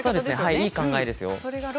いい考えですよ。